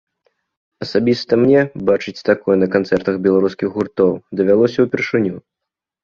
Асабіста мне бачыць такое на канцэртах беларускіх гуртоў давялося ўпершыню.